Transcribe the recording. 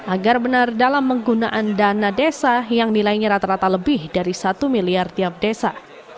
agar benar dalam penggunaan dana desa yang nilainya rata rata lebih dari satu miliar tiap desa